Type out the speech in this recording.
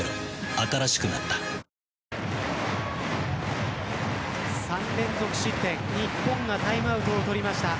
新しくなった３連続失点日本がタイムアウトを取りました。